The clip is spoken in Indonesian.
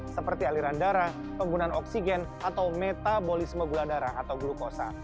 seperti aliran darah penggunaan oksigen atau metabolisme gula darah atau glukosa